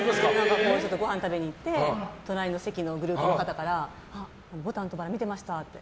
ごはん食べに行って隣の席のグループの方から「牡丹と薔薇」と見てましたって。